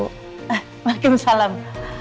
eh makin salam